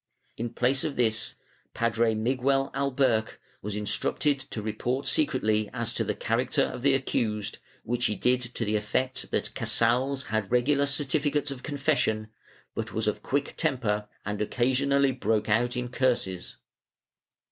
In place of this Padre Miguel Alberch was instructed to report secretly as to the character of the accused, which he did to the effect that Casals had regular certificates of confession, but was of quick temper and occasionally broke out in curses.